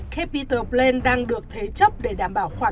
capital bland đang được thế chấp để đảm bảo khoản